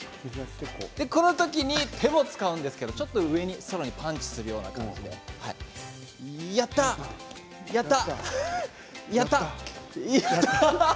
この時に手も使うんですけどちょっと上に空にパンチをするような感じでやった、やった！